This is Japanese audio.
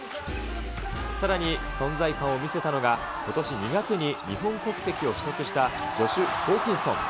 さらに、存在感を見せたのが、ことし２月に日本国籍を取得したジョシュ・ホーキンソン。